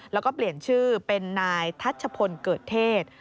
แล้วก็เปลี่ยนชื่อเป็นนายทัชพลเกิดเทศ